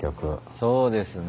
そうですね